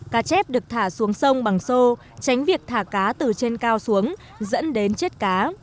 cá chép được thả xuống sông bằng xô tránh việc thả cá từ trên cao xuống dẫn đến chết cá